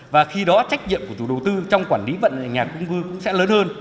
và khi đó trách nhiệm của chủ đầu tư trong quản lý vận trung cư cũng sẽ lớn hơn